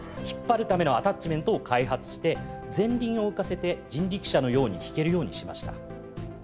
引っ張るためのアタッチメントを開発して前輪を浮かせて人力車のように引けるようにしました。